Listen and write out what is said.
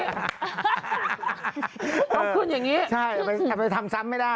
ต้องขึ้นอย่างนี้ใช่ทำไมทำซ้ำไม่ได้